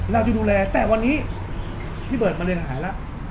เราจะดูแลแต่วันนี้พี่เบิร์ดมาเรียนอาหารแล้ว